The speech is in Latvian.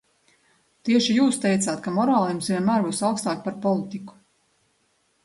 Tieši jūs teicāt, ka morāle jums vienmēr būs augstāka par politiku.